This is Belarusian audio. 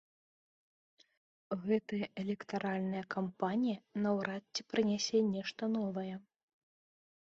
Гэтая электаральная кампанія наўрад ці прынясе нешта новае.